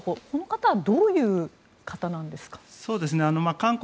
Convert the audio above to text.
この方はどういう方なんですか？